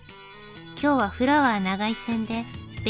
今日はフラワー長井線で紅花が咲く